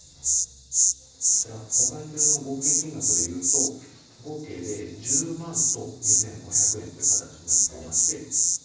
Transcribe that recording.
こちら、お買い取りの合計金額でいうと、合計で１０万と２５００円という形になっておりまして。